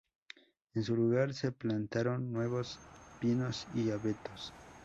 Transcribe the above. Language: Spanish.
En su lugar se plantaron nuevos pinos y abetos.